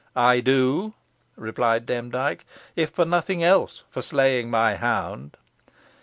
"I do," replied Demdike; "if for nothing else, for slaying my hound."